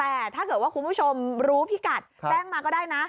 แต่ถ้าเกิดว่าคุณผู้ชมรู้พิกัดแจ้งมาก็ได้นะ